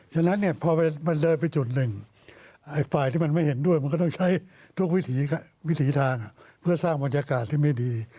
ฉะนั้นเนี่ยพอมันเดินไปจุดหนึ่งฝ่ายที่มันไม่เห็นด้วยมันก็ต้องใช้ทุกวิถีทางเพื่อสร้างบรรยากาศที่ไม่ดี